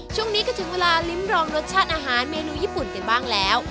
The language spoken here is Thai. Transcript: ช่วงนี้ก็ถึงเวลาลิ้มรองรสชาติอาหารเมนูญี่ปุ่นกันบ้างแล้ว